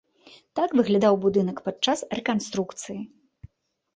Так выглядаў будынак падчас рэканструкцыі.